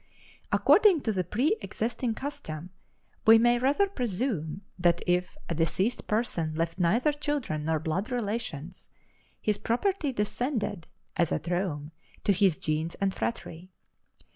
According to the preëxisting custom, we may rather presume that if a deceased person left neither children nor blood relations, his property descended (as at Rome) to his gens and phratry.